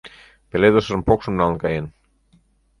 Пеледышыжым покшым налын каен.